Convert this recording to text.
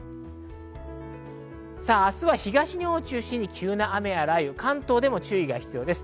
明日は東のほうを中心に急な雨や雷雨、関東でも注意が必要です。